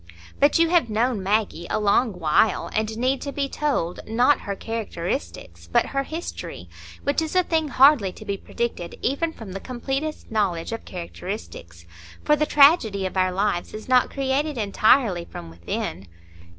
But you have known Maggie a long while, and need to be told, not her characteristics, but her history, which is a thing hardly to be predicted even from the completest knowledge of characteristics. For the tragedy of our lives is not created entirely from within.